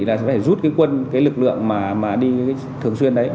là sẽ phải rút cái quân cái lực lượng mà đi thường xuyên đấy